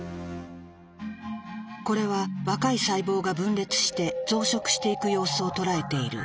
これは若い細胞が分裂して増殖していく様子を捉えている。